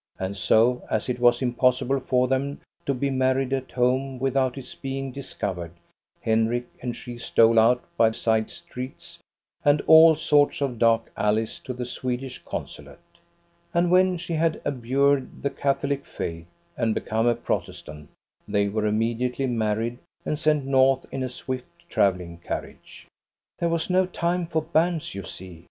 And so, as it was impossible for them to be married at home without its being discovered, Henrik and she stole out by side streets and all sorts of dark alleys to the Swedish consulate. And when she had abjured the Catholic faith and become a Protestant, they were immediately married and sent north in a swift travel ling carriage. " There was no time for banns, you see.